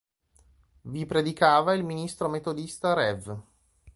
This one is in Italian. Vi predicava il ministro metodista rev.